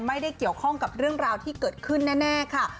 ไม่ได้เกี่ยวข้องกับเรื่องราวที่เกิดขึ้นแน่ค่ะ